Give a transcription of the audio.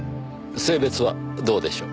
性別はどうでしょう？